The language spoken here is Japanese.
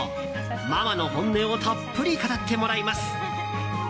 ママの本音をたっぷり語ってもらいます。